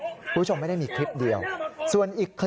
คุณผู้ชมไม่ได้มีคลิปเดียว